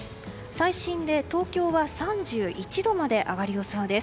最新で東京は３１度まで上がる予想です。